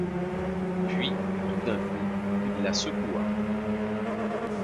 Puis, tout d'un coup, il la secoua.